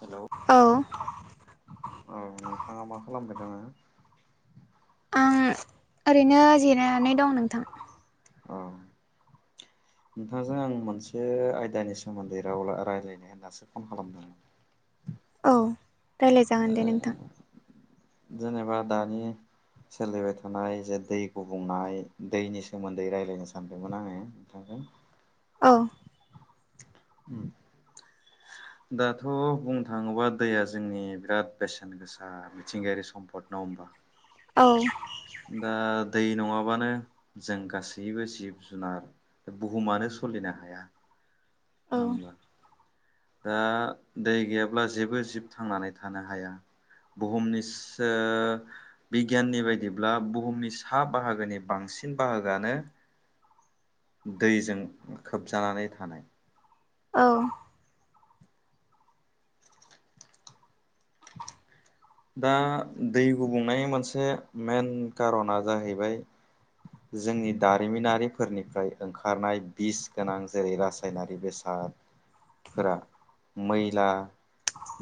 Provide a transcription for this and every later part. Hello औ औ नोंथाङा मा खालामबाय दोङो आं ओरैनो जिरायनानै दं नोंथां अ नोंथांजों आं मोनसे आयदानि सोमोन्दै राव रायज्लायनो होननासो फन खालामदोंमोन [inaudible] औ रायलाय ओ जागोन दे नोंथां जेनेबा दानि सोलिबाय थानाय जे दै गुबुंनाय दैनि सोमोन्दै रायज्लायनो सानदोंमोन आङो नोंथां [unintelligible] औ ओम दाथ बुंनो थाङोबा दैया जोंनि बिराद बेसेन गोसा मिथिंगायारि सम्पद नङा होमबा औ दा दै नङाबानो जों गासैबो जिब जुनार बुहुमानो सलिनो हाया औ नङा होनबा दा दै गैयाब्ला जेबो जिब थांनानै थानो हाया बुहुमनि सो बिगियाननि बायदिब्ला बुहुमनि सा बाहागोनि बांसिन सिन बाहागोआनो दैजों खोबजानानै थानाय औ दा दै गुबुंनायनि मोनसे मेन कारना जाहैबाय जोंनि दारिमिनारिफोरनिफ्राय ओंखारनाय बिस गोनां जेरै रासायनारि बेसाद फोरा मैला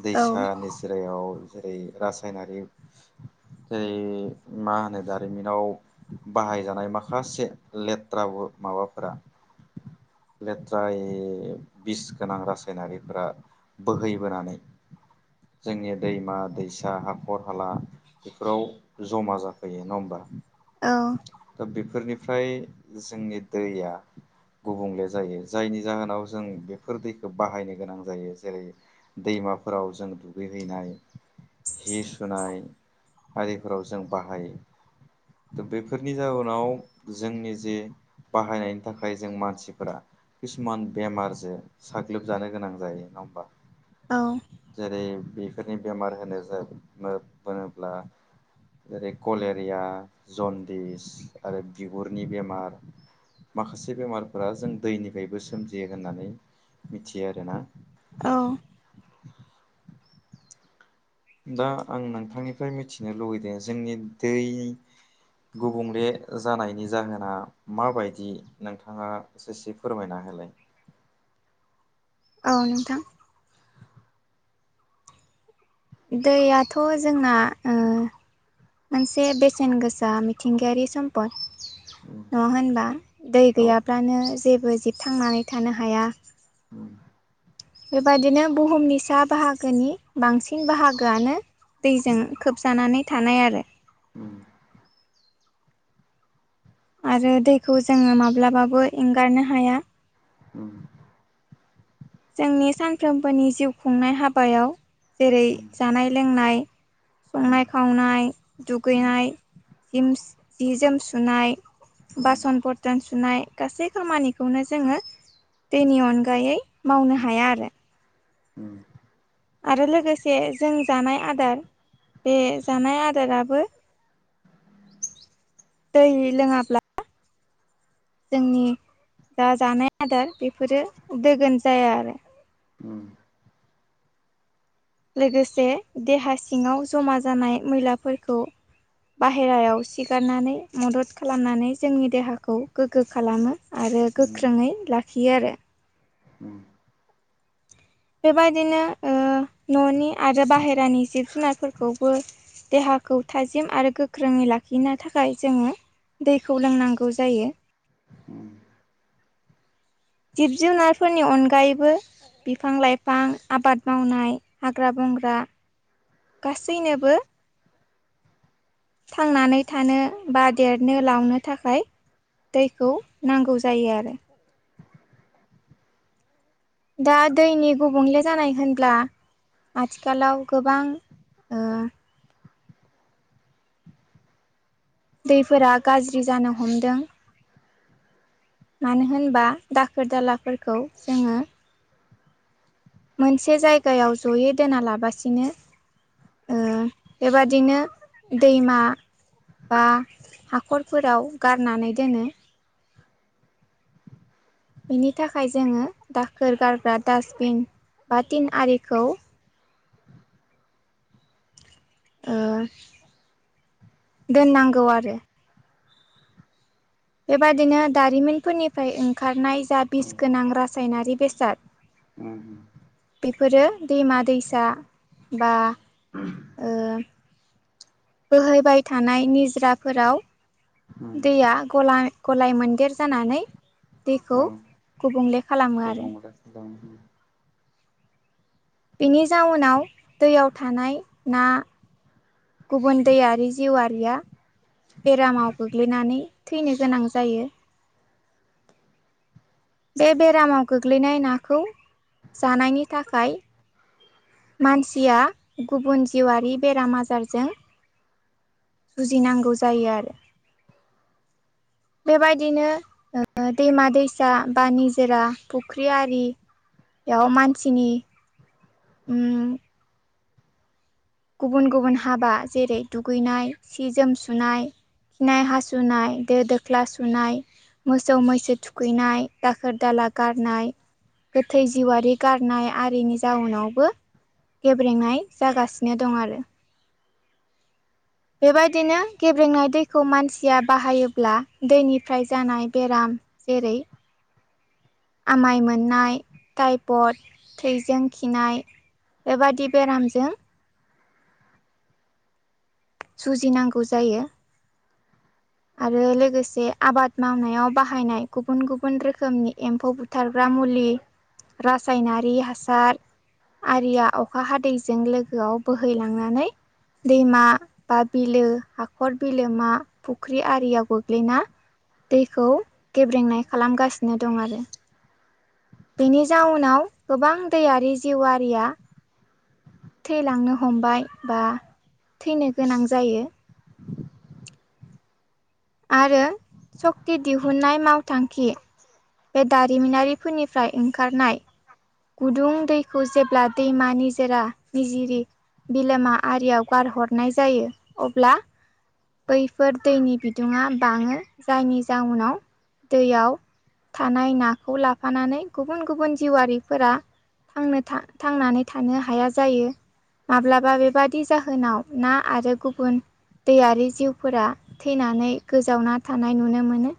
दैसा निजोरायाव जेरै रासायनारि जेरै मा होनो दारिमिनाव बाहायजा नाय माखासे लेथ्राबु माबाफोरा लेथ्रा ओइ बिस गोनां रासायनारिफोरा बोहैबोनानै जोंनि दैमा दैसा हाखर हाला बेफोराव जमा जाफैयो नङा होमबा औ दा बेफोरनिफ्राय जोंनि दैया गुबुंले जायो जायनि जाहोनाव जों बेफोर दैखौ बाहायनो गोनां जायो जेरै दैमा माफोराव जों दुगैहैनाय हि सुनाय आरिफोराव जों बाहायो त' बेफोर जनि जाहोनाव जोंनि जे बाहायनायनि थाखाय जों मानसिफोरा किसुमान बेमारजों साग्लोबजानो गोनां जायो नङा होमबा औ जेरै बेफोरनि बेमार होनो बोब्ला जेरै कलेरिया जन्दिस आरो बिगुरनि बेमार माखासे बेमारफोरा जों दैनिफ्रायबो सोमजियो होननानै मिथियो आरोना औ दा आं नोंथांनिफ्राय मिथिनो लुबैदों जोंनि दै गुबुंले जानायनि जाहोना माबायदि नोंथाङा ससे फोरमायना हो होलाय औ नोंथां दैयाथ' जोंना मोनसे बेसेन गोसा मिथिंगायारि सम्पद नङा होनबा दै औ उम गैयाब्लानो जेबो जबथांनानै थानो हाया उम बेबदिनो बुहुमनि सा बाहागोनि बांसिन बाहागोआनो दैजों खोबजानानै थानाय आरो उम आरो दैखौ जोङो माब्लाबाबो एंगारनो हाया औ जोंनि सानफ्रोमबोनि जिउ खुंनाय हाबायाव जेरै जानाय लोंनाय संनाय खावनाय दुगैनाय जि जि जोम सुनाय बासन बथन सु सुनाय गासै खामानिखौनो जोङो दैनि अनगायै मावनो हाया आरो उम आरो लोगोसे जों जानाय आदार बे जानाय आदाराबो [inaudible] दै लोङाब्ला जोंनि जा जानाय आदार बेफोरो दोगोन जाया आरो उम लोगोसे देहा सिङाव जमा जानाय मैलाफोरखौ बाहेरायाव सिगारनानै मदद खालामनानै जोंनि देहाखौ गोग्गो खालामो आरो गोख्रोङै लाखियो आरो उम बेबायदिनो ओ न'नि आरो बाहेरानि जिब जुनारफोरखौबो देहाखौ थाजिम आरो गोख्रोङै लाखिनो थाखाय जोङो दैखौ लोंनांगौ जायो जिब जुनारफोरनि अनगायैबो बिफां लाइफां आबाद मावनाय हाग्रा बंग्रा गासैनोबो थांनानै थानो बा देरनो लांनो थाखाय दैखौ नांगौ जायो आरो दा दैनि गुबुंले जानाय होनब्ला आथिखालाव गोबां ओ दैफोरा गाज्रि जानो हमदों मानो होनबा दाखोर दालाफोरखौ जोङो मोनसे जायगायाव जयै दोना लाबासिनो ओ बेबादिनो दैमा बा हाखरफोराव गारनानै दोनो बेनि थाखाय जोङो दाखोर गारग्रा डास्टबिन बा तिन आरिखौ ओ दोननांगौ आरो बेबादिनो दारिमिनफोरनिफ्राय ओंखारनाय जा बिस गोनां रासायनारि बेसाद उम। बेफोरो दैमा दैसा बा ओ बोहैबाय थानाय निजराफोराव उम दैया गला-गलाय मोनदेर जानानै दैखौ औ गुबुंले खालामो आरो गुबुंले खालामो बेनि जाउनाव दैयाव थानाय ना गुबुन दैयारि जिउआरिया बेरामाव गोग्लैनानै थैनो गोनां जायो बे बेरामाव गोग्लैनाय नाखौ जानायनि थाखाय मानसिया गुबुन जिउआरारि बेराम आजारजों जुजिनांगौ जायो आरो [inaudible] बेबायदिनो ओ दैमा दैसा बा निजोरा फुख्रि आरि बेयाव मानसिनि उम गुबुन गुबुन हाबा जेरै दुगैनाय सि जोम सुनाय खिनाय हासुनाय दो दोख्ला सुनाय मोसौ मैसो थुखैनाय दाखोर दाला गारनाय गोथै जिउआरि गारनाय आरिनि जाउनावबो गेब्रेंनाय जागासि नो दं आरो। बेबायदिनो गेब्रेंनाय दैखौ मानसिया बाहायोब्ला दैनिफ्राय जानाय बेराम जेरै [inaudible] आमाय मोननाय टाइपड थैजों खिनाय बेबादि बेरामजों जुजिनांगौ जायो। आरो लोगोसे आबाद मावनायाव बाहायनाय गुबुन गुबुन रोखोमनि एम्फौ बुथारग्रा मुलि रासायनारि हासार आरिया अखा हादैजों लोगोआव बोहैलांनानै दैमा बा बिलो हाखर बिलो मा फुख्रि आरियाव गोग्लैना दैखौ गेब्रेंनाय खालामगासिनो दं आरो बेनि जाउनाव गोबां दैयारि जिउआारिया थैलांनो हमबाय बा थैनो गोनां जायो आरो सक्ति दिहुननाय मावथांखि बे दारिमिनारिफोरनिफ्राय ओंखारनाय गुदुं दैखौ जेब्ला दैमा निजोरा निजिरि बिलोमा आरियाव गारहरनाय जायो अब्ला बैफोर दैनि बिदुङा बाङो जायनि जाउनाव दैयाव थानाय नाखौ लाफानानै गुबुन गुबुन जिउआरिफोरा थांनानै थानो हाया जायो माब्लाबा बेबादि जाहोनाव ना आरो गुबुन दैयारि जिउफोरा थैनानै गोजावना थानाय नुनो मोनो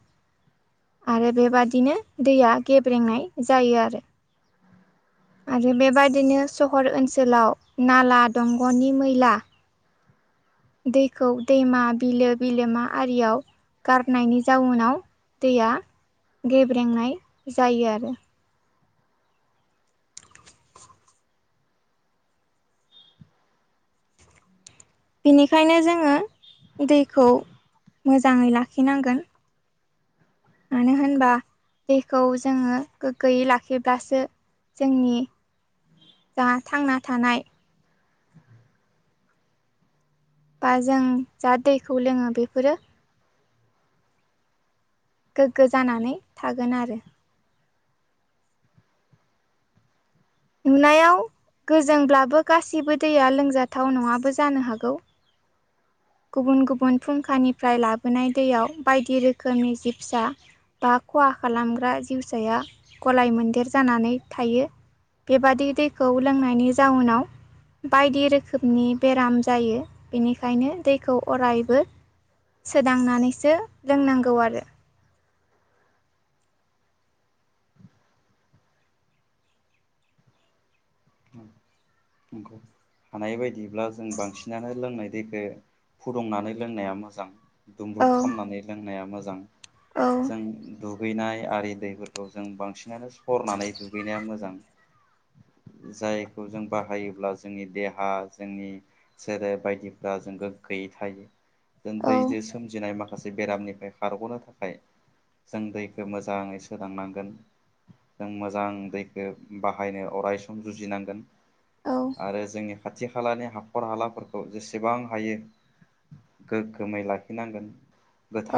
आरो बेबादिनो दैया गेब्रेंनाय जायो आरो आरो बेबायादिनो सहर ओनसोलाव नाला दंग'नि मैला दैखौ दैमा बिलो बिलोमा आरियाव गारनायनि जाउनाव दैया गेब्रेंनाय जायो आरो बेनिखायनो जोङो दैखौ मोजाङै लाखिनांगोन मानो होनबा दैखौ जोङो गोग्गोयै लाखिब्लासो जोंनि जा थांना थानाय लांदां बा जों जा दैखौ लोङो बेफोरो गोग्गो जानानै थागोन आरो नुनायाव गोजोंब्लाबो गासिबो दैया लोंजाथाव नङाबो जानो हागौ गुबुन गुबुन फुंखानिफ्राय लाबोनाय दैयाव बायदि रोखोमनि जिबसा बा खहा खालामग्रा जिउसाया गलाय मोनदेर जानानै थायो बेबादि दैखौ लोंनायनि जाउनाव बायदि रोखोमनि बेराम जायो बेनिखायनो दैखौ अरायबो सोदांनानैसो लोंनांगौ आरो औ नंगौ हानाय बायदिब्ला जों बांसिनानो लोंनाय दैखौ फुदुंनानै लोंनाया मोजां औ दुमब्रुद खालामनानै लोंनाया मोजां औ जों दुगैनाय आरि दैफोरखौ जों बांसिनानो सरनानै दुगैनाया मोजां जायखौ जों बाहायोब्ला जोंनि देहा जोंनि सोलेर बायदिफ्रा जों गोगग गोयै थायो जों औ दैजों सोमजिनाय माखा माखासे बेरामनिफ्राय खारग'नो थाखाय जों दैखौ मोजाङै सोदांनांगोन जों मोजां दैखो बाहायनो अरायसम जुजिनांगोन औ आरो जोंनि खाथि खालानि हाखर हालाफोरखौ जेसेबां हायो गोगगोमै लाखिनांगोन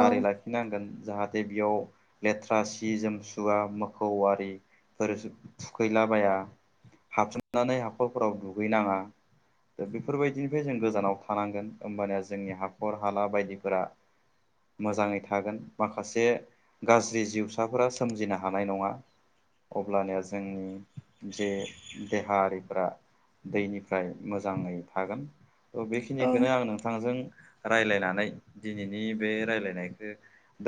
औ लाखिनांगोन जाहाथे बेयाव लेथ्रा सि जोम सुवा मोखौ आरि फोर थुखैलाबाया हाबसोमनानै हाखरफोराव दुगैनाङा दा बेफोरबायदिनिफ्राय जों गोजानाव थानांगोन होमबानिया जोंनि हाखर हाला बायदिफोरा मोजाङै थागोन माखासे गाज्रि जिउसाफोरा सोमजिनो हानाय नङा अब्लानिया जोंनि जे देहारिफोरा दैनिफ्राय मोजाङै थागोन थ' बेखिनिखौनो औ आं नोंथांजों रायलायनानै दिनैनि बे रायलायनायखौ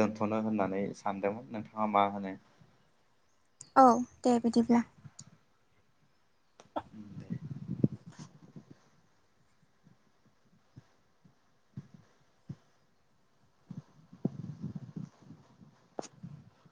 दोनथ'नो होननानै सानदोंमोन नोंथां ना मा होनो औ दे बिदिब्ला दे लांदां